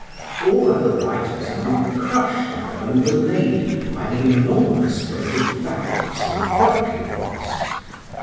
All other writers had been crushed and overlaid by the enormous weight of facts and documents.